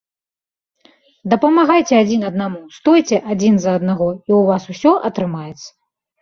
Дапамагайце адзін аднаму, стойце адзін за аднаго, і ў вас усё атрымаецца!